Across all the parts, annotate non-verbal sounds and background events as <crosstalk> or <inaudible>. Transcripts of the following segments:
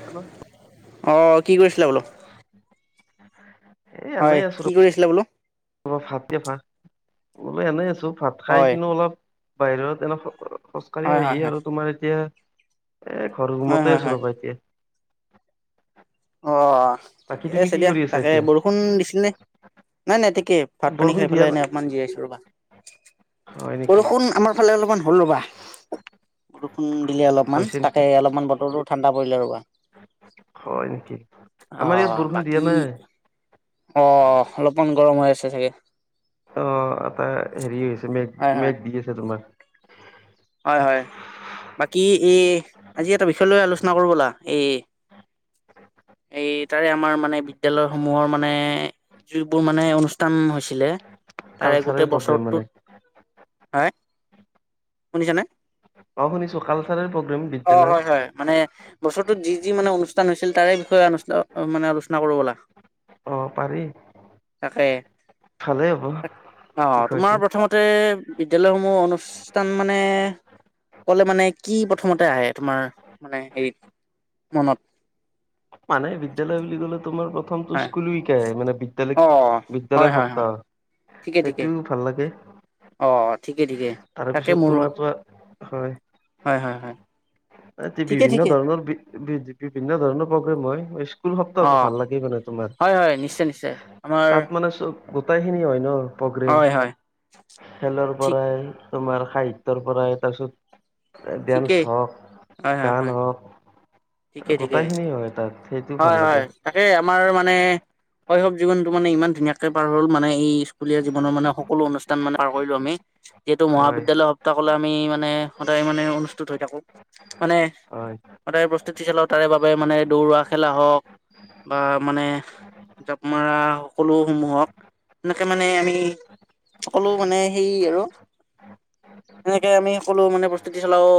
<unintelligible> অঁ' কি কৰিছিলা বোলো? হয়, কি কৰি আছিলা বোলো? অ, ভাত খাই ভাত বোলো এনেই আছোঁ, ভাত খাই হয়, কিনো অলপ বাহিৰত এনো- খোজকাঢ়ি হয়, হয়, আহিয়ে হয়, আৰু তোমাৰ এতিয়া, এ ঘৰ হয়, ৰুমতে হয়, আছোঁ হয়, ৰ'বা এতিয়া। অঁ অঁ অ, বাকী ঠিকে তুমি আছে কি দিয়া। কৰি আছা তাকে এতিয়া এবোৰ- ষুণ দিছিল নে? নাই নাই ঠিকেই, ভাত-পানী বৰষুণ খাই দিয়া পেলাই নাই এনেই অকমান জীয়াইছো ৰ'বা। হয় নেকি বৰষুণ আমাৰ ফালে অলপমান হ'ল ৰ'বা। বৰষুণ দিলে অলপমান, হৈছে নেকি তাকে অলপমান বতৰটো ঠাণ্ডা পৰিলে ৰ'বা। হয় নেকি? আমাৰ ইয়াত বৰষুণ দিয়া নাই। অঁ অঁ অলপমান গৰম হৈ আছে চাগে। অ' এটা হেৰি হৈছে, মেঘ হয়, হয়, মেঘ দি আছে তোমাৰ। হয়, হয়। বাকী এই আজি এটা বিষয় লৈ আলোচনা কৰোঁ, বলা। এই- এই তাৰে আমাৰ মানে বিদ্যালয়সমূহৰ মানে- যোনবোৰ মানে অনুষ্ঠান হৈছিলে, তাৰে কালচাৰেল গোটেই প্ৰগ্ৰেম মানে বছৰটোত হয়- শুনিছানে? অঁ' শুনিছোঁ, কালচাৰেল প্ৰগ্ৰেম অ বিদ্যালয়ৰ। হয় হয়। মানে, বছৰটোত যি যি মানে অনুষ্ঠান হৈছিল, তাৰে বিষয়ে‌ মানে আলোচনা কৰোঁ বলা। অ' পাৰি। তাকে, ভালেই হ'ব অঁ' বিষয়টো তোমাৰ প্ৰথমত- তে বিদ্যালয়সমূহ অনুষ্ঠান মানে- ক'লে মানে, কি প্ৰথমতে আহে তোমাৰ মানে হেৰিত মনত? মানে বিদ্যালয় বুলি ক'লে, তোমাৰ প্ৰথমটো হয়? স্কুল উইকে আহে, মানে বিদ্যালয়ক অ বিদ্যালয় হয় হয় হয় সপ্তাহৰ। ঠিকে ঠিকে সেইটোও ভাল লাগে। অ' ঠিকে ঠিকে, তাকে তাৰপিছত মোৰো। তোমাৰ পৰা হয়, হয়, হয়। তাতে ঠিকে বিভিন্ন ঠিকে ধৰণৰ বি বি বিভিন্ন ধৰণৰ প্ৰগ্ৰেম হয়। স্কুল অ সপ্তাহটো ভাল লাগেই মানে তোমাৰ, হয় হয় নিশ্চয় নিশ্চয় আমাৰ তাত মানে চব- গোটেই খিনি হয় ন, প্ৰগ্ৰেম। হয় হয় খেলৰ ঠিক পৰাই, তোমাৰ সাহিত্যৰ পৰাই, তাৰপিছত ডেন্স ঠিকেই হ'ওক, হয় হয় গান হয় হ'ওক ঠিকে ঠিকে গোটাইখিনি হয় তাত সেইটো ভাল হয়, হয়, লাগে তাকেই আমাৰ মানে শৈশৱ জীৱনতটো মানে ইমান ধুনীয়াাক কে পাৰ হ'ল মানে এই স্কুলীয়া জীৱনৰ মানে সকলো অনুষ্ঠান মানে পাৰ কৰিলো আমি, যিহেতু হয় মহাবিদ্যালয় কেবল আমি মানে সদায় মানে অনুস্থিত হৈ থাকো মানে, হয় সদায় বস্তু <unintelligible> তাৰে বাবে মানে দৌৰা খেলা হ'ওক বা মানে জাপ মৰা সকলো সমূহক এনেকে মানে আমি সকলো মানে সেই আৰু এনেকে আমি সকলো মানে প্ৰস্তুতি চলাও,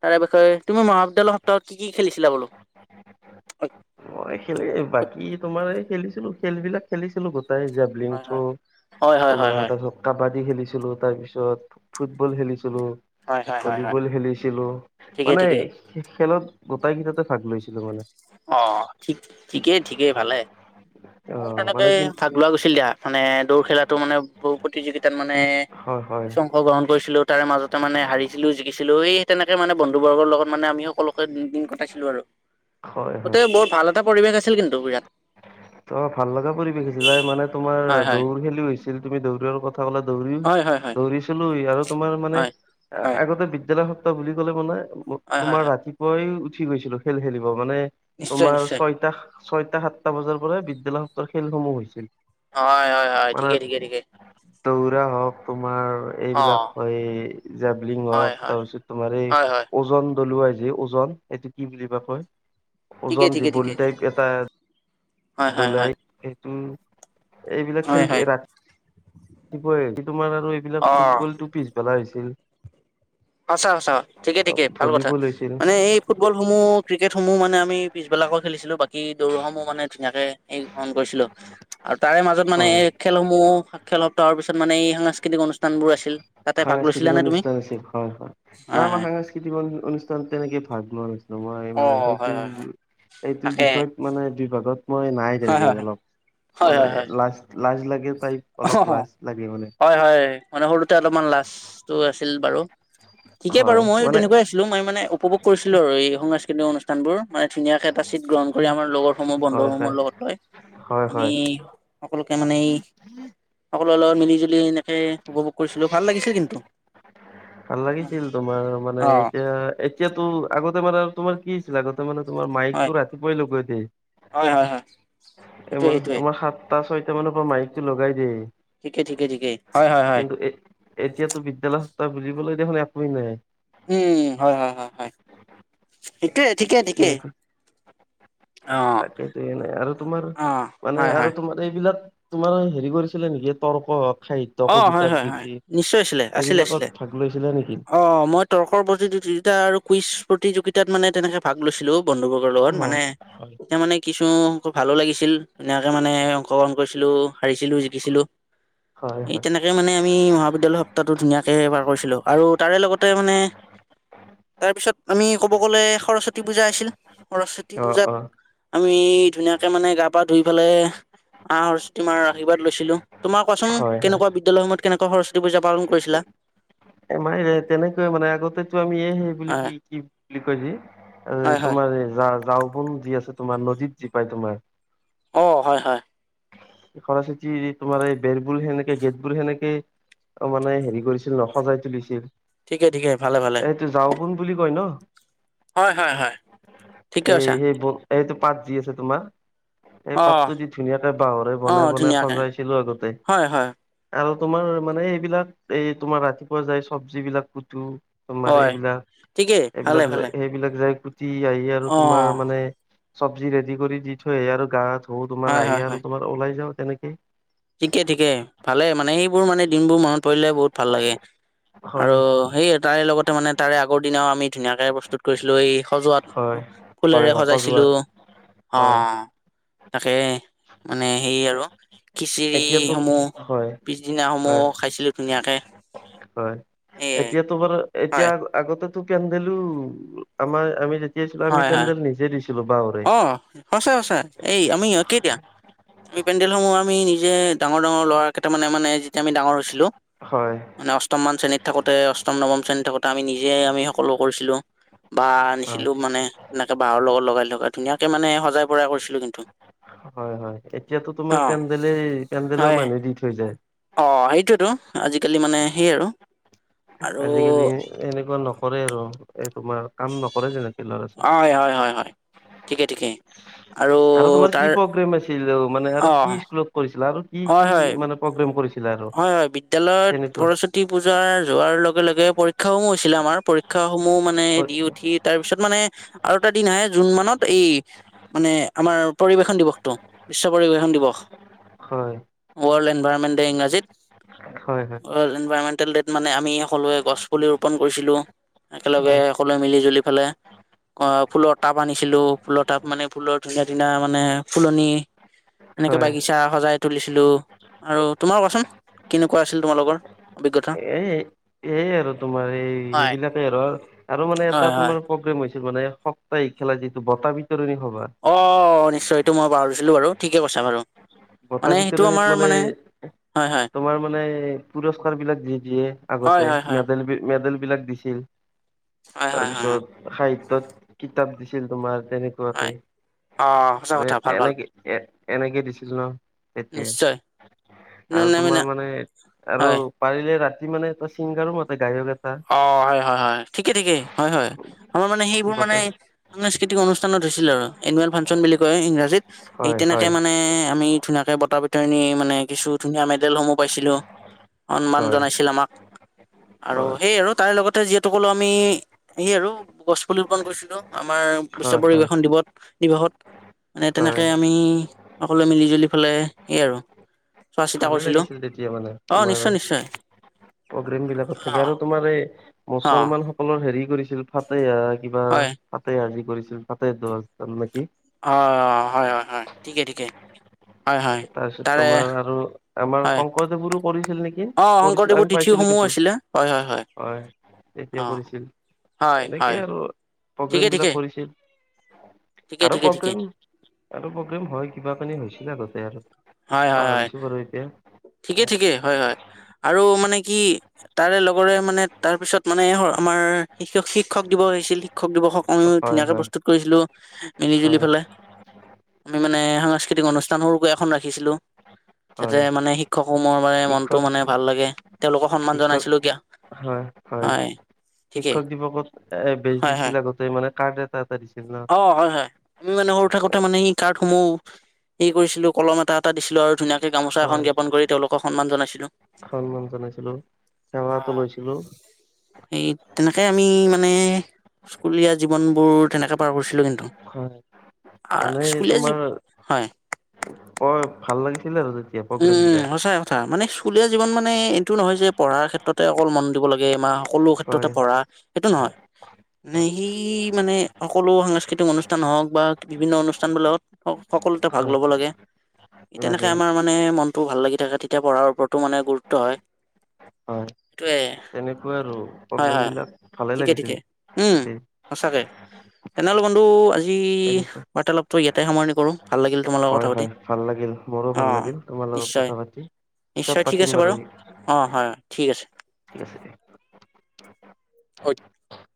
তাৰে বিষয়ে তুমি মহাবিদ্যালয়ৰ সপ্তাহত কি কি খেলিছিলা বোলো? এ বাকী তোমাৰ এই খেলিছিলো খেল বিলাক খেলিছিলো গোটেইজাক জেবলিং হয় থ্ৰু হয় হয় হয় তোমাৰ হয় হয় তাৰ পাছত কাবাডী খেলিছিলো, তাৰ পিছত ফুটবল খেলিছিলোঁ। হয় হয় হয় হয় ভলীবল খেলিছিলোঁ, ঠিকে মানে ঠিকে খেলত গোটাই কেইটাতে ভাগ লৈছিলো মানে। অ', ঠিক ঠিকেই ঠিকেই ভালে, অ মইও তেনেকে মানে কি ভাগ <unintelligible> গৈছিল দিয়া মানে দৌৰ খেলাটো মানে বহু প্ৰতিযোগিতাত মানে হয়, হয়। অংগ্ৰহণ কৰিছিলো, তাৰে মাজতে মানে হাৰিছিলো জিকিছিলো সেই তেনেকে মানে বন্ধু বৰ্গৰ লগত মানে আমি সকলো দিন কটাইছিলোঁ আৰু হয় হয় গোটেই বোৰ ভাল এটা পৰিৱেশ আছিল কিন্তু বিৰাট। অ', ভাল লগা পৰিৱেশ আছিল তাৰ মানে তোমাৰ হয় হয় দৌৰ খেলি হৈছিল তুমি দৌৰাৰ কথা <unintelligible> ক'লা দৌৰিও হয় হয় হয় দৌৰিছিলো আৰু তোমাৰ মানে হয় হয় আগতে বিদ্যালয় সপ্তাহ বুলি ক'লে মানে হয় হয় তোমাৰ হয় ৰাতি পুৱাই উঠি গৈছিলো, খেল খেলিব মানে নিশ্চয় তোমাৰ নিশ্চয় ছয়টা ছয়টা সাতটা বজাৰ পৰাই বিদ্যালয় সপ্তাহৰ খেলসমূহ হৈছিল। হয়, হয়, হয়, মানে ঠিকে ঠিকে ঠিকে। দৌৰা হ'ওক তোমাৰ অ এইবিলাক হয়, জেবলিং হয় হ'ওক হয় তাৰপিছত তোমাৰ এই হয় হয় ওজন দলুৱাই যে ওজন, এইটো কি বুলিবা কয়? ঠিকে ওজন যি ঠিকে ঠিকে বল টাইপ এটা হয় হয় হয় দলাই সেইটো এইবিলাক হয় খেল হয় ৰা-ৰাতিপুৱাই কি তোমাৰ আৰু এইবিলাক অ ফুটবল টোক পিছ বেলাই হৈছিল। সঁচা, সঁচা ঠিকে, ঠিকে ভাল কথা ভলীবল হৈছিল মানে এই ফুটবল সমূহ ক্ৰিকেট সমূহ মানে আমি পিছবেলাকৈ খেলিছিলো, বাকী দৌৰাসমূহ মানে ধুনীয়াকে <unintelligible> কৰিছিলো। আৰু তাৰে মাজত মানে হয় এই খেলসমূহ খেল সপ্তাহৰ পিছত মানে এই সাংস্কৃতিক অনুষ্ঠানবোৰ আছিল। তাতে ভাগ লৈছিলা সাংস্কৃতিক নে তুমি অনুষ্ঠান আছিল হয়, হয়, না হয় আমাৰ হয় সাংস্কৃতিক অনুষ্ঠানত তেনেকে ভাগ লোৱা নাছিলোঁ। মই অ মানে হয় সেইটো হয় হয় এইটো তাকে বিষয়ত মানে দুইভাগত মই নাই হয় তেনেকে হয় অলপ, মানে লাজ লাজ লাগে টাইপ অহ, অলপ অ', লাজ লাগে মানে। হয়, হয়, মানে সৰুতে অলপমান লাজটো আছিল বাৰু। ঠিকে বাৰু হয় মই মানে তেনেকুৱাই আছ আছিলোঁ, মই মানে উপভোগ কৰিছিলো আৰু এই সংস্কৃতিক অনুষ্ঠানবোৰ মানে ধুনীয়াকে এটা চীট গ্ৰহণ কৰি আমাৰ লগৰ সমূহ হয় বন্ধসমূৰ হয় লগত লৈ হয় আমি হয় সকলোকে মানে সকলোৰে লগত মিলি-জুলি এনেকে উপভোগ কৰিছিলো ভাল লাগিছিল কিন্তু। ভাল লাগিছিল তোমাৰ মানে অ এতিয়া এতিয়াতো আগতে মানে আৰু তোমাৰ কি আগতে মানে তোমাৰ হয় মাইকটো ৰাতিপুৱাই লগাই দিয়ে। হয়, হয়, হয়। এই সেইটোয়ে তোমাৰ সেইটোয়ে তোমাৰ সাতটা ছয়টা মানৰ পৰা মাইকটো লগাই দিয়েই ঠিকেই, ঠিকেই, ঠিকেই হয়, হয়, হয়। এতিয়াতো বিদ্যালয় সপ্তাহ বুুলিবলৈ দেখোন একোৱেই নাই। উম হয়, হয়, হয় ঠিকে, ঠিকে ঠিকেই। তাকেইটোয়ে নাই আৰু তোমাৰ অ মানে হয় হয় আৰু তোমাৰ। এইবিলাক তোমাৰ হেৰি কৰিছিলে নেকি তৰ্ক খাইত অ হয়, হয়, নিশ্চয় আছিলে আছিলে এইবিলাকত আছিলে ভাগ লৈছিলে নেকি? অ' অ'মই তৰ্কৰ প্ৰতিযোগিতা আৰু কুইজ প্ৰতিযোগিতাত মানে তেনেকে ভাগ লৈছিলো বন্ধু অ লগত মানে হয় এতিয়া মানে কিছু সংখ্যক ভালো লাগিছিল ধুনীয়াকৈ মানে অংশগ্ৰহণ কৰিছিলোঁ, হাৰিছিলোঁ জিকিছিলোঁ। হয় এই হয় তেনেকে মানে আমি মহাবিদ্যালয় সপ্তাহটো ধুনীয়াকে পাৰ কৰিছিলো, আৰু তাৰে লগতে মানে তাৰ পিছত আমি ক'ব গ'লে সৰস্বতী পূজা আছিল সৰস্বতী অ অ পূজাত আমি ধুনীয়াকে মানে গা, পা ধুই পেলাই মা সৰস্বতী মাৰ আশীৰ্বাদ লৈছিলো তোমাৰ কোৱাচোন? হয় হয় কেনেকুৱা বিদ্যালয় সমূহত কেনেকোৱা সৰস্বতী পূজা পালন কৰিছিলা। এ মাইৰে তেনেকৈ মানে আগতেো আমি এই সেই বুলি হয় কি কি বুলি কই যে হয় হয় এ যা- যাওঁ বন যি আছে তোমাৰ নদীত যি পায় তোমাৰ। অ হয়, হয়। সৰস্বতী তোমাৰ এই বেৰবোৰ সেনে গেটবোৰ সেনেকে মানে হেৰি কৰিছিল, ন সজাই তুলিছিল। ঠিকে, ঠিকে ভালে, ভালে। যাওঁ বন বুলি কয় ন, হয় হয় হয় ঠিকে এই কৈছা সেই ব এইটো পাত যি আছে তোমাৰ। এই অ পাতটো দি ধুনীয়াকৈ বাঁহৰে অ বনাই বনাই ধুনীয়াকে সজাইছিলোঁ আগতে। হয় হয় আৰু তোমাৰ মানে এইবিলাক, এই তোমাৰ ৰাতিপুৱা যাই চবজি বিলাক কুটো। তোমাৰ হয় এইবিলাক ঠিকেই এইবিলাক ভালে ভালে সেইবিলাক যাই কুটি আহি আৰু অ তোমাৰ মানে চবজি ৰেডি কৰি দি থৈ আহে আৰু গা ধু, তোমাৰ হয় হয় হয় আহি আৰু তোমাৰ ওলাই যাওঁ তেনেকেই। ঠিকে, ঠিকে ভালে মানে সেইবোৰ মানে দিনবোৰ মনত পৰিলে বহুত ভাল লাগে। আৰু হয় সেইয়ে তাৰে লগতে মানে তাৰে আগৰ দিনাও আমি ধুনীয়াকে প্ৰস্তুত কৰিছিলো এই সজোৱাত। হয় হয় ফুলৰে হয় সজাইছিলো সজোৱাৰ হয় অ'। তাকে মানে সেই আৰু। এতিয়াতো এইসমূহ হয় পিছদিনা সমূহ হয় খাইছিলোঁ ধুনীয়াকে। হয়, এয়ে এতিয়াতো বাৰু এতিয়া হয় আগতে পেণ্ডেলো আমাৰ আমি যেতিয়া আছিলো, আমি পেণ্ডেল নিজে দিছিলো বাহঁৰে। অ'সচাঁ সচাঁ এই আমি ইয়াতে দিয়া, আমি পেডেল সমূহ আমি নিজে ডাঙৰ, ডাঙৰ ল'ৰা কেইটা মানে যেতিয়া আমি ডাঙৰ হৈছিলো। হয়। মানে অষ্টমমান শ্ৰেণীত থাকোঁতে অষ্টম নৱম শ্ৰেণী থাকোঁতে আমি নিজেই আমি সকলো কৰিছিলোঁ। বাঁহ হয় আনিছিলো মানে এনেকে বাহঁৰ লগত লগাই ধুনীয়াকে মানে সজাঁই হয়, হয় এতিয়াতো তোমাৰ অ' পেডেলেই পেণ্ডেলৰ হয় মানুহ দি থৈ যায়। অ' সেইটোৱেতো আজিকালি মানে সেই আৰু। আৰু আজিকালি এনেকুৱা নকৰে আৰু এ তোমাৰ কাম নকৰে যেনেকে ল'ৰা চাল। হয় হয় হয় হয় ঠিকে ঠিকে আৰু তোমাৰ তাৰ কি প্ৰগ্ৰেম আছিল মানে অ' আৰু কি স্কুলত কৰিছিলা আৰু কি, হয় হয় কি মানে প্ৰগ্ৰেম কৰিছিল। হয়, হয় বিদ্যালয়ত সৰস্বতী সৰস্বতী পূজা যোৱাৰ লগে, লগে পৰীক্ষা সমূহ হৈছিলে আমাৰ পৰীক্ষাস সমূহ মানে হয় দি উঠি তাৰ পিছত মানে আৰু এটা দিন আহে জুন মানত এই মানে আমাৰ পৰিবেশন দিৱসটো বিশ্ব পৰিবেশন দিৱস। হয়। ৱৰ্ল্ড এনভইৰনমেণ্ট ইংৰাজীত হয়, হয়। ৱড এনভাইৰমেণ্টেল ডেট মানে আমি সকলোৱে গছ পুলি ৰোপণ কৰিছিলো একেলগে হয় সকলোৱে মিলি জুলি পেলাই অ' ফুলৰ টাব আনিছিলো। ফুলৰ টাব মানে ফুলৰ ধুনীয়া, ধুনীয়া মানে ফুলনি এনেকে হয়। বাগিচা সজাই তুলিছিলো আৰু তোমাৰ কোৱাচোন? কেনেকুৱা আছিল তোমালোকৰ অভিজ্ঞতা। এ এই আৰু তোমাৰ এই হয় সেইবিলাকে আৰু আৰু মানে হয় এটা হয় তোমাৰ প্ৰগ্ৰেম হৈছিল মানে, সপ্তাহিক খেলা যিটো বটা বিতৰণি সভা। অ' নিশ্চয় এইটো মই পাহৰিছিলো বাৰু ঠিকেই কৈছা বাৰু। বতা মানে সেইটো আমাৰ বিতৰণিত মানে হয় হয় তোমাৰ মানে পুৰস্কাৰ বিলাক দি দিয়ে হয় আগতে হয় হয় মেডেল, মেডেল বিলাক দিছ ছিল হয় হয় হয় হয় তাৰপিছত সাহিত্যত কিতাপ দিছিল তোমাৰ তেনেকে। হয় তকে অ সঁচা কথা ভাল এ ভাল এনেকে এ এনেকে ডিচিছন তাকে নিশ্চয় ন- আৰু ন- আমি তোমাৰ না- মানে আৰু হয় পাৰিলে ৰাতি মানে ছিংগাৰো মাতে গায়ক এটা। অ' হয়, হয়, হয়, ঠিকে ঠিকেই হয়, হয়, মোৰ মানে সেইবোৰ মানে মাতে। সাংস্কৃতিক অনুষ্ঠানত হৈছিল আৰু এনুৱেল ফাংচন বুলি কয় ইংৰাজীত। এই হয় তেনেকে হয় মানে আমি ধুনীয়াকে বতা বতৰণিৰ মানে কিছু ধুনীয়াঁ মেডেল সমূহ পাইছিলো। সন্মান হয়। জনাইছিল আমাক, আৰু হয় সেইয়া আৰু তাৰ লগতে যিহেতু কলো আমি সেই য়ে আৰু গছ পুলি ৰোপন কৰিছিলো আমাৰ বিশ্ব হয় হয় পৰিবেশন দিৱস দিৱসত। মানে তেনেকে হয় আমি সকলোৱে মিলি জুলি পেলাই সেইয়ে আৰু। চোৱা চিতা ভালেই কৰিছিলো লাগিছিল তেতিয়া মানে অ তোমাৰ নিশ্চয় নিশ্চয় প্ৰগ্ৰেম বিলাকত অ থাকি আৰু তোমাৰ এই অ মুছলমান সকলৰ হেৰি কৰিছিল ফতেহা কিবা হয় তাকে আজি কৰিছিল তাতে দচ জন নেকি? অ' হয়, হয়, হয়, ঠিকে, ঠিকেই। তাৰপিছত তোমাৰ আৰু আমাৰ হয় শংকৰদেৱৰো কৰিছিল নেকি কি অ কৰিছিল শংকৰদেৱৰ আমি পাইছিলো তিথিসমূহ কিন্তু আছিলে হয় হয় হয় অ এতিয়া কৰিছিল। হয় এনেকেই হয় আৰু ঠিকে প্ৰগ্ৰেম ঠিকে বিলাক কৰিছিল। ঠিকে আৰু ঠিকে ঠিকে প্ৰগ্ৰেম আৰু প্ৰগ্ৰেম হয়, কিবা কানি হৈছিলে আগতে আৰু। হয়, হয়, হয়, পাহৰিছো বাৰু এতিয়া ঠিকেই, ঠিকে হয়, হয় আৰু মানে কি তাৰে লগৰে মানে তাৰ পিছত মানে আমাৰ শিক্ষক দিৱ হৈছিল শিক্ষক দিৱসক আমি হয় ধুনীয়াকৈ হয় প্ৰস্তুত কৰিছিলো মিলিজুলি হয় ফেলাই। আমি মানে সাংস্কৃতিক অনুষ্ঠানো সৰুকৈ এখন ৰাখিছিলো। যাতে হয় মানে শিক্ষকসমোহৰ মানে মনটো শিক্ষক মানে ভাল লাগে তেওঁলোকক সন্মান শিক্ষক জনাইছিলো কিয়। হয়, হয়। শিক্ষক দিৱসত এ বেজ হয় হয় দিছিল আগতে মানে কাৰ্ড এটা এটা দিছিল ন। অ হয় হয় আমি মানে সৰু থাকোতে মানে ই কাৰ্ডসমূহ হেৰি কৰিছিলোঁ কলম এটা, এটা দিছিলোঁ আৰু ধুনীয়াকে। গামোচা এখন হয় জ্ঞাপন কৰি তেওঁলোকক সন্মান জনাইছিলোঁ। সন্মান জনাইছিলোঁ সেৱা এটা লৈছিলোঁ। সেই তেনেকে আমি মানে স্কুলীয়া জীৱনবোৰ তেনেকে পাৰ কৰিছিলোঁ কিন্তু। হয় মানে স্কুলীয়া তোমাৰ জীৱন, হয়। বৰ ভাল লাগিছিলে আৰু দিনবোৰ। উমঁ-উমঁ, সচাই। তাৰ মানে স্কুলীয়া জীৱন মানে এইটো নহয় যে পঢ়াৰ ক্ষেত্ৰতে অকল মন দিব লাগে - সকলো ক্ষেত্ৰতে হয় পঢ়া সেইটো নহয়। যি হয় সি মানে সকলো সাংস্কৃতিক অনুষ্ঠান হওঁক বা বিভিন্ন অনুষ্ঠানবিলাকত - সকলোতে ভাগ হয় ল'ব লাগে। তেনেকে লাগে আমাৰ মানে - মানে মনতো ভাল লাগি থাকে তেতিয়া পঢ়াৰ ওপৰতো মানে গুৰুত্ব হয়। হয়, সেইটোৱে তেনেকুৱা আৰু প্ৰব্লেম বিলাক। ভালে লাগিছিল ঠিকে-ঠিকে, উমঁ, তেতিয়া সঁচাকে। তেনেহ'লে বন্ধু আজি এনে বাৰ্তালাপটো ইয়াতে সামৰণি কৰোঁ ভাল লাগিল তোমাল লগৰ কথা পাতি। উমঁ, মোৰো অ ভাল লাগিল। তোমাৰ লগত নিশ্চয়, কথা পাতি পিছত নিশ্চয় ঠিক পাতিম আছে বাৰু, অঁ', -হয়, ঠিক আছে। ঠিক আছে। <inaudible>